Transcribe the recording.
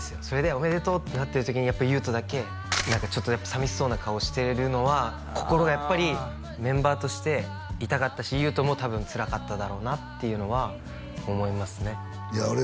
それでおめでとうってなってる時にやっぱ裕翔だけ何かちょっとやっぱ寂しそうな顔してるのは心がやっぱりメンバーとして痛かったし裕翔も多分つらかっただろうなっていうのは思いますねいや